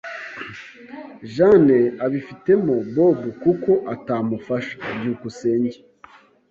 Jane abifitemo Bob kuko atamufasha. byukusenge